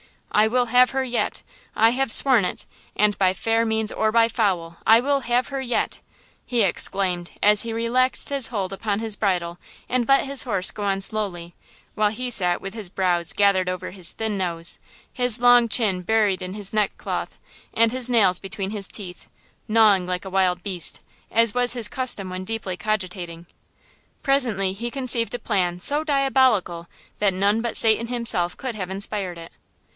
"I will have her yet! I have sworn it, and by fair means or by foul I will have her yet!" he exclaimed, as he relaxed his hold upon his bridle and let his horse go on slowly, while he sat with his brows gathered over his thin nose, his long chin buried in his neckcloth and his nails between his teeth, gnawing like a wild beast, as was his custom when deeply cogitating. Presently he conceived a plan so diabolical that none but Satan himself could have inspired it!